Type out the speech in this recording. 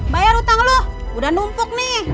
bayar utang loh udah numpuk nih